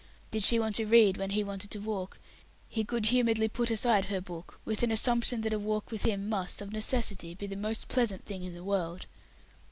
Did she want to read when he wanted to walk, he good humouredly put aside her book, with an assumption that a walk with him must, of necessity, be the most pleasing thing in the world.